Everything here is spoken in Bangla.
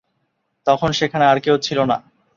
তখন সেখানে আর কেউ ছিল না।